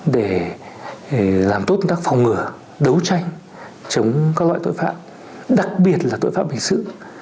để làm tốt công tác phòng ngừa đấu tranh chống các loại tội phạm đặc biệt là tội phạm hình sự